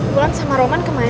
wulan sama roman kemana ya